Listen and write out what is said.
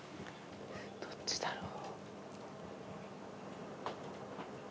どっちだろう。